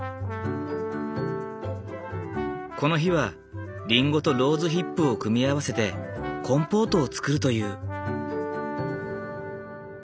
この日はリンゴとローズヒップを組み合わせてコンポートを作るという。